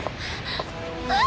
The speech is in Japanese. あっ。